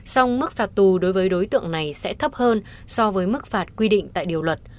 song mức phạt tù đối với đối tượng này sẽ thấp hơn so với mức phạt quy định tại điều luật